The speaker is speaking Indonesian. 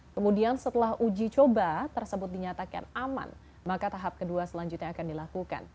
kemudian setelah uji coba tersebut dinyatakan aman maka tahap kedua selanjutnya akan dilakukan